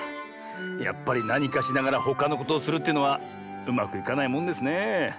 やっぱりなにかしながらほかのことをするというのはうまくいかないもんですねえ。